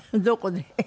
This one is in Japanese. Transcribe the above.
どこで？